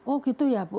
oh gitu ya bu